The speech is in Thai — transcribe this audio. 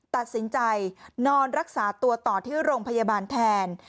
ตัดสินใจนอนรักษาตัวต่อที่โรงพยาบาลแทน